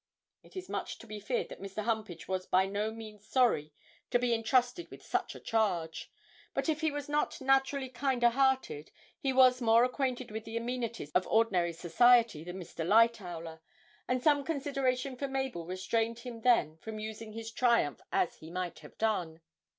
It is much to be feared that Mr. Humpage was by no means sorry to be entrusted with such a charge. But if he was not naturally kinder hearted, he was more acquainted with the amenities of ordinary society than Mr. Lightowler, and some consideration for Mabel restrained him then from using his triumph as he might have done.